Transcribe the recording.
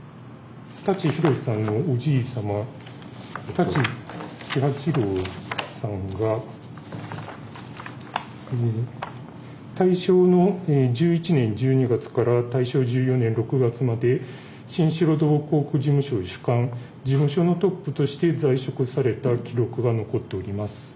舘ひろしさんのおじい様舘喜八郎さんが大正の１１年１２月から大正１４年６月まで「新城土木工区事務所主幹」事務所のトップとして在職された記録が残っております。